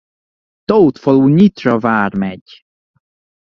Tót falu Nyitra Vármegy.